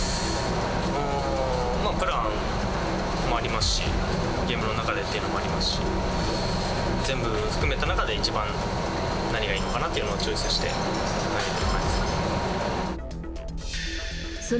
プランもありますし、ゲームの中でっていうのもありますし、全部含めた中で、一番何がいいのかなっていうのをチョイスして投げてる感じですね。